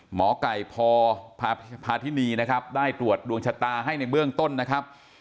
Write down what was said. หมอไก่พพาธินีนะครับได้ตรวจดวงชะตาให้ในเบื้องต้นนะครับ